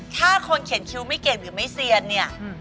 ถ้าคนเขียนคิวไม่เก่งหรือไม่เซียนเนี่ย